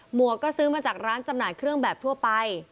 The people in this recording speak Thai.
หวกก็ซื้อมาจากร้านจำหน่ายเครื่องแบบทั่วไป